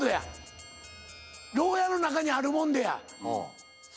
牢屋の中にあるもんでや。